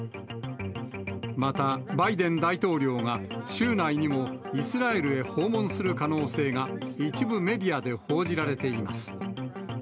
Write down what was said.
またバイデン大統領が週内にもイスラエルへ訪問する可能性が一部メディアで報じられています。